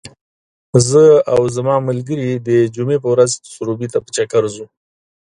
زه او زما ملګري د جمعې په ورځ سروبي ته په چکر ځو .